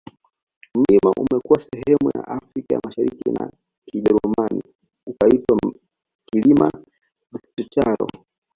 Mlima umekuwa sehemu ya Afrika ya Mashariki ya Kijerumani ukaitwa Kilima Ndscharo